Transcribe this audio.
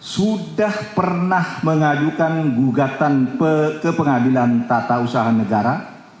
sudah pernah mengajukan gugatan ke pengadilan tata usaha negara